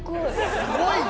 すごいな！